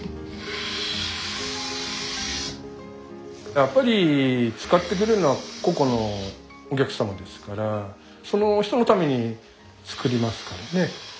やっぱり使ってくれるのは個々のお客様ですからその人のために作りますからね。